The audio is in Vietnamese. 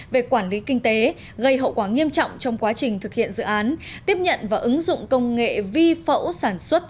về quản lý kinh tế gây hậu quả nghiêm trọng trong quá trình thực hiện dự án tiếp nhận và ứng dụng công nghệ vi phẫu sản xuất